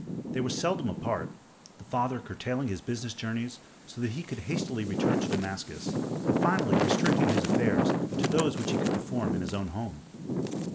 They were seldom apart, the father curtailing his business journeys so that he could hastily return to Damascus, and finally restricting his affairs to those which he could perform in his own home.